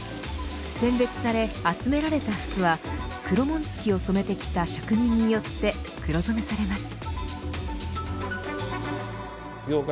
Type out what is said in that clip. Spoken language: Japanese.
選別され、集められた服は黒紋付を染めてきた職人によって黒染めされます。